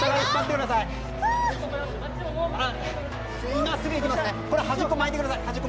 今すぐ行きますね。